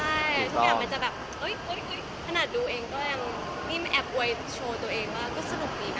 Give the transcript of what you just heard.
ใช่ทุกอย่างมันจะแบบอุ๊ยถนัดดูเองก็ยังนี่แอบไว้โชว์ตัวเองว่าก็สรุปดีกัน